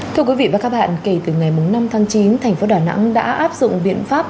thưa quý vị và các bạn kể từ ngày năm tháng chín thành phố đà nẵng đã áp dụng biện pháp